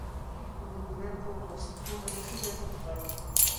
Ulqukunaćhu wasikuna chuqllam kapaakun.